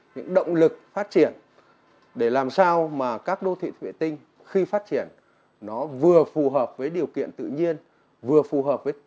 những động lực phát triển để làm sao mà các đô thị vệ tinh khi phát triển nó vừa phù hợp với điều kiện tự nhiên vừa phù hợp với